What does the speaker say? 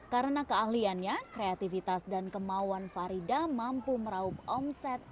karena keahliannya kreativitas dan kemauan farida mampu meraup omset